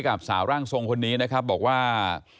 กับสาวร่างทรงคนนี้นะครับบอกว่า